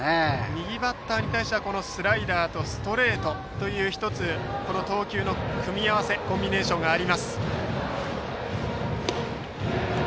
右バッターに対してはスライダーとストレートという１つ、この投球の組み合わせコンビネーションがあります。